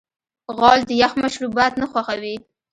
غول د یخ مشروبات نه خوښوي.